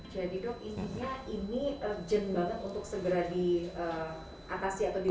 jadi dok intinya ini urgent banget untuk segera diatasi atau diperbaiki